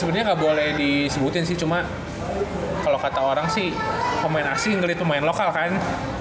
sebenarnya gak boleh disebutin sih cuma kalau kata orang sih pemain asing gelit pemain lokal kan